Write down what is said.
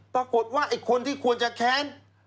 ปรากฏว่าไอ้คนที่ควรจะแค้น